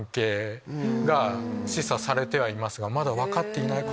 示唆されてはいますが。